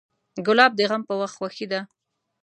ګلاب د غم په وخت خوښي ده.